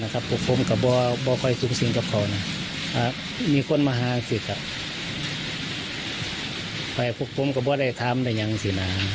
ปรับคุกพรมกับเบาไห้ทำได้ยังสินะ